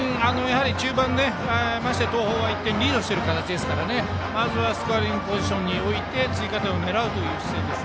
中盤、まして東邦は１点リードしているのでまずはスコアリングポジションに置いて追加点を狙うという姿勢です。